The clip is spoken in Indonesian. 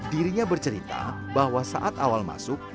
dirinya bercerita bahwa saat awal masuk